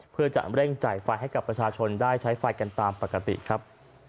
เพื่อจะเร่งจ่ายไฟให้กับประชาชนได้ใช้ไฟกันตามปกติครับ